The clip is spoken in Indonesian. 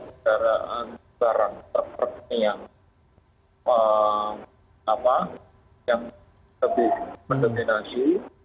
atau kendaraan terperk yang lebih mendominasi